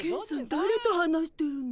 だれと話してるの？